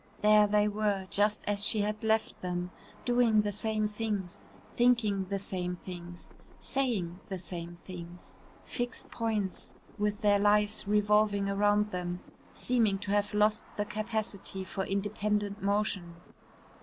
There they were, just as she had left them, doing the same things, thinking the same things, saying the same things fixed points with their lives revolving round them, seeming to have lost the capacity for independent motion.